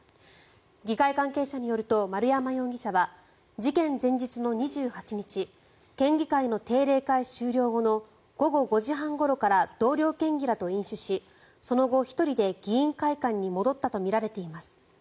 議会関係者によると丸山容疑者は事件前日の２８日県議会の定例会終了後の午後５時半ごろから同僚県議らと飲酒しその後、１人で議員会館に戻ったとみられています。